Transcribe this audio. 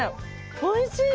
おいしい！